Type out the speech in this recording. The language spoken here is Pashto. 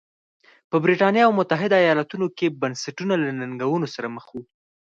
په برېټانیا او متحده ایالتونو کې بنسټونه له ننګونو سره مخ وو.